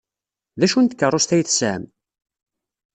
D acu n tkeṛṛust ay tesɛam?